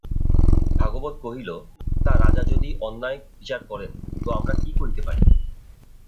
ভাগবত কহিল, তা রাজা যদি অন্যায় বিচার করেন তো আমরা কী করিতে পারি।